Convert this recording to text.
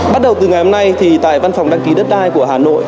bắt đầu từ ngày hôm nay thì tại văn phòng đăng ký đất đai của hà nội